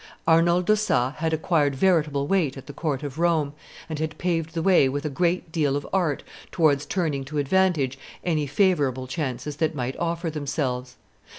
Arnold d'Ossat had acquired veritable weight at the court of Rome, and had paved the way with a great deal of art towards turning to advantage any favorable chances that might offer themselves.